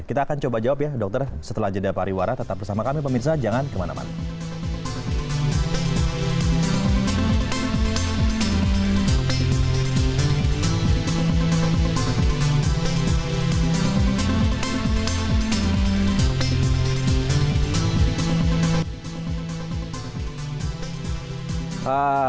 kita akan coba jawab ya dokter setelah jadilah pariwara tetap bersama kami pemirsa jangan kemana mana